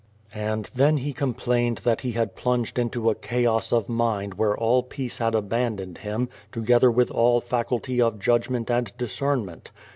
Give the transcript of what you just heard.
And then he complained that he had plunged into a chaos of mind where all peace had abandoned him, together with all faculty of judgment and discernment.